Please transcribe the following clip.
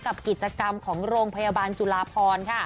กับกิจกรรมของโรงพยาบาลจุลาพรค่ะ